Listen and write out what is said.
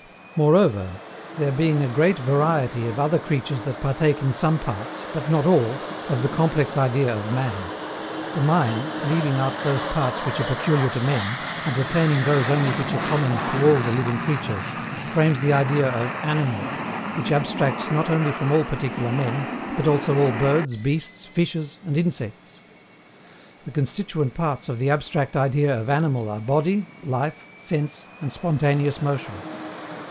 Moreover, their being a great variety of other creatures that partake in some parts, but not all, of the complex idea of MAN, the mind, leaving out those parts which are peculiar to men, and retaining those only which are common to all the living creatures, frames the idea of ANIMAL, which abstracts not only from all particular men, but also all birds, beasts, fishes, and insects. The constituent parts of the abstract idea of animal are body, life, sense, and spontaneous motion.